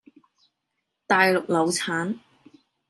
大陸柳橙